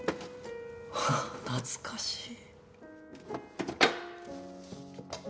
懐かしい！